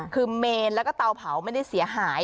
คือเมนแล้วก็เตาเผาไม่ได้เสียหาย